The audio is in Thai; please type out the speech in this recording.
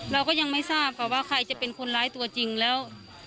เราก็ยังไม่ทราบค่ะว่าใครจะเป็นคนร้ายตัวจริงแล้ว